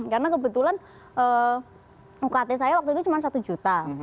karena kebetulan ukt saya waktu itu cuma satu juta